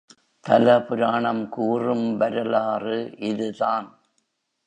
தல புராணம் கூறும்வரலாறு இதுதான்.